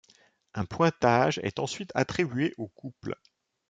Un pointage est ensuite attribué au couple.